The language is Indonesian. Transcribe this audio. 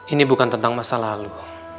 ini bukan tentang masa lalu